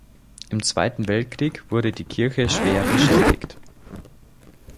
Im Zweiten Weltkrieg wurde die Kirche schwer beschädigt.